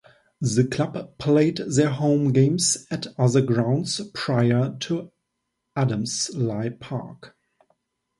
The club played their home games at other grounds prior to Adamslie Park.